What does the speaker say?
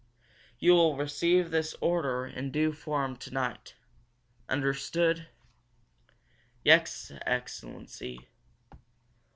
You will receive this order in due form to night. Understood?" "Yes, excellency."